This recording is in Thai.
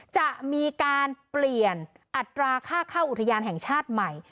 จะมีการเปลี่ยนอัตราค่าเข้าอุทยานแห่งชาติใหม่